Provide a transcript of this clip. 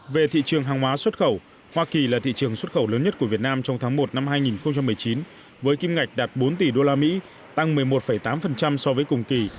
về thị trường hàng hóa xuất khẩu hoa kỳ là thị trường xuất khẩu lớn nhất của việt nam trong tháng một năm hai nghìn một mươi chín với kim ngạch đạt bốn tỷ usd tăng một mươi một tám so với cùng kỳ